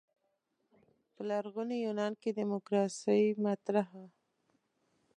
په لرغوني یونان کې دیموکراسي مطرح وه.